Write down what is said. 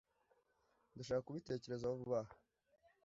ndashaka kubitekerezaho vuba aha